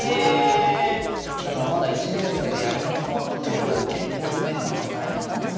だからまだ１年生でやり方も分からない中で結構図面を書くの大変なんですよ。